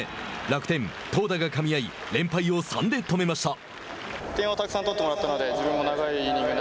楽天、投打がかみ合い連敗を３で止めました。